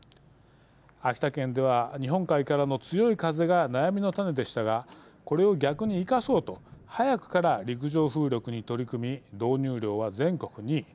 秋田県では、日本海からの強い風が悩みの種でしたがこれを逆に生かそうと早くから陸上風力に取り組み導入量は全国２位。